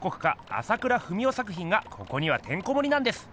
朝倉文夫作品がここにはてんこもりなんです。